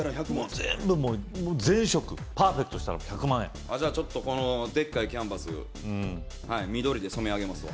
全部全色パーフェクトしたら１００万円じゃあちょっとこのでっかいキャンバス緑で染め上げますわ